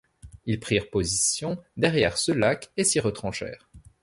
Ils prirent position derrière ce lac, et s'y retranchèrent.